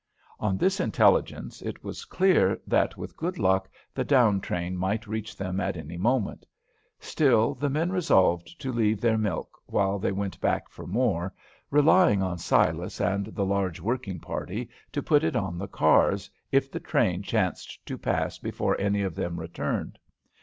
On this intelligence, it was clear that, with good luck, the down train might reach them at any moment. Still the men resolved to leave their milk, while they went back for more, relying on Silas and the "large working party" to put it on the cars, if the train chanced to pass before any of them returned.